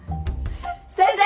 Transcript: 先生